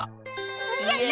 やった！